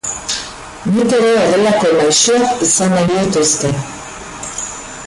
Nik ere horrelako maisuak izan nahi nituzke.